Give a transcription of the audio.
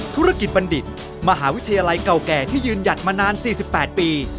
ธุรกิจบัณฑิตมหาวิทยาลัยเก่าแก่ที่ยืนหยัดมานาน๔๘ปี